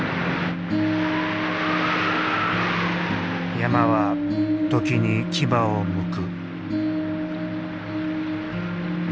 山は時に牙をむく。